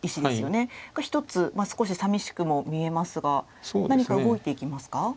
１つ少しさみしくも見えますが何か動いていきますか？